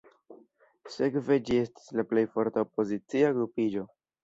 Sekve ĝi estis la plej forta opozicia grupiĝo.